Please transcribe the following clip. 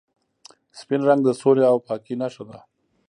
سپین رنګ د سولې او پاکۍ نښه ده.